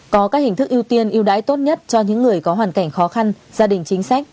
có các hình thức ưu tiên yêu đãi tốt nhất cho những người có hoàn cảnh khó khăn gia đình chính sách